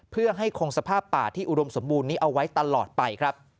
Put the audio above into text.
เพื่อให้คงสภาพป่าที่อุดมสมบูรณ์นี้เอาไว้ตลอดไปครับ